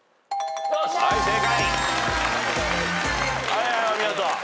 はいはいお見事。